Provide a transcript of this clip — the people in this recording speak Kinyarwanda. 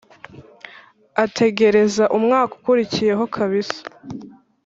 ategereza umwaka ukurikiyeho kabisa